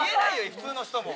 普通の人も。